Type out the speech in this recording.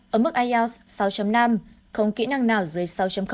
ở mức ielts sáu năm không kỹ năng nào dưới sáu